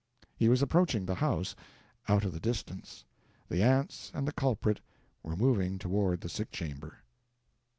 He was approaching the house out of the distance; the aunts and the culprit were moving toward the sick chamber.